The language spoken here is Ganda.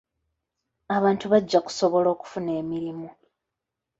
Abantu bajja kusobola okufuna emirimu.